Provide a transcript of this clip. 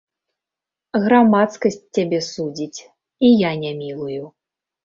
Грамадскасць цябе судзіць, і я не мілую.